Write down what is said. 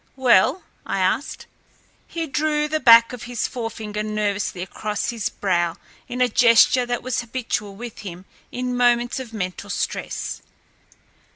"Well?" I asked. He drew the back of his forefinger nervously across his brow in a gesture that was habitual with him in moments of mental stress.